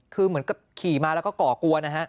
คือเหมือนกับขี่มาแล้วก็ก่อกลัวนะฮะ